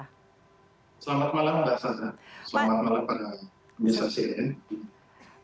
selamat malam mbak sandra selamat malam pak pandra